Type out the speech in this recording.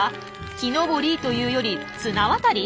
木登りというより綱渡り？